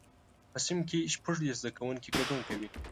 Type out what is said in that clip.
په صنف کې شپږ دیرش زده کوونکي ګډون کوي.